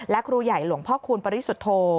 และครูใหญ่หลวงพ่อคูณปริสุทธโธ